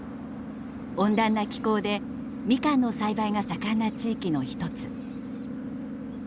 温暖な気候でみかんの栽培が盛んな地域の一つ。